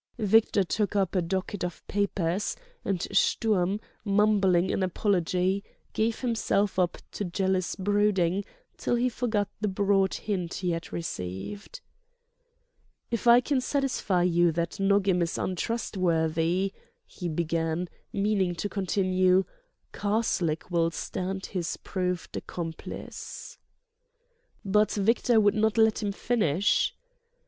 Victor took up a docket of papers, and Sturm, mumbling an apology, gave himself up to jealous brooding till he forgot the broad hint he had received. "If I can satisfy you that Nogam is untrustworthy—" he began, meaning to continue: Karslake will stand his proved accomplice. But Victor would not let him finish.